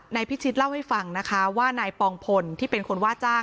พิชิตเล่าให้ฟังนะคะว่านายปองพลที่เป็นคนว่าจ้าง